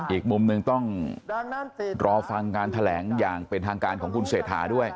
อีกมุมหนึ่งต้องรอฟังการแถลงอย่างเป็นทางการของคุณเศรษฐาด้วย